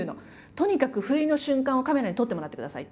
とにかく不意の瞬間をカメラに撮ってもらってくださいって。